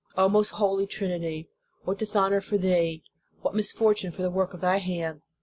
O most holy Trinity! What dishonor for Thee! What misfor tune for the work of Thy hands